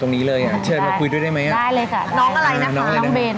คือเราคงพูดไม่เก่ง